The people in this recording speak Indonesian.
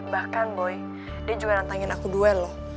bahkan boy dia juga nantangin aku duel loh